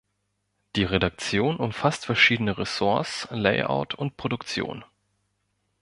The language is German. Die Redaktion umfasst verschiedene Ressorts, Layout und Produktion.